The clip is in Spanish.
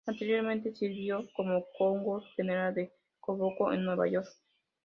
Anteriormente sirvió como Cónsul General de Kosovo en Nueva York.